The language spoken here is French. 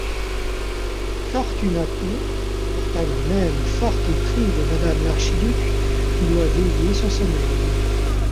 Fortunato, pourtant lui-même fort épris de madame l’Archiduc, doit veiller son sommeil.